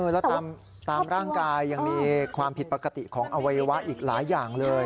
แล้วตามร่างกายยังมีความผิดปกติของอวัยวะอีกหลายอย่างเลย